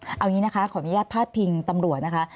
เอาอย่างนี้นะคะขออนุญาตพาดพิงตำรวจนะคะ